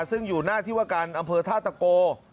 ซึ่งอยู่หน้าที่ว่าการอำเภอท่าตะโก